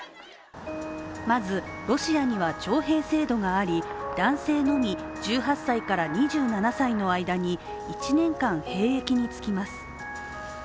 まず、ロシアには徴兵制度があり男性のみ１８歳から２７歳の間に、１年間兵役に就きます。